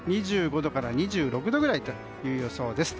２５度から２６度くらいという予想です。